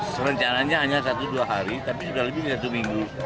serencananya hanya satu dua hari tapi sudah lebih dari satu minggu